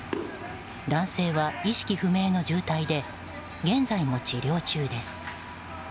男性は意識不明の重体で現在も治療中です。